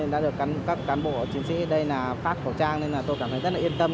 đã được các cán bộ chiến sĩ ở đây phát khẩu trang nên là tôi cảm thấy rất yên tâm